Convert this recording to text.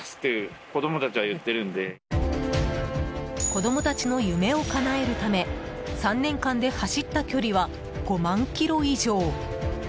子供たちの夢をかなえるため３年間で走った距離は５万ｋｍ以上。